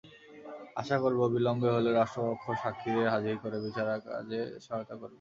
আশা করব, বিলম্বে হলেও রাষ্ট্রপক্ষ সাক্ষীদের হাজির করে বিচারকাজে সহায়তা করবে।